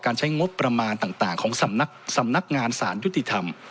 การใช้งบประมาณต่างของสำนักงานสารยุติธรรม